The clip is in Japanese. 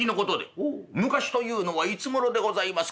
「ほう昔というのはいつごろでございますか？」。